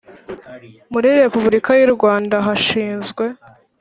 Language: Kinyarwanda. muri Repuburika y u Rwanda hashinzwe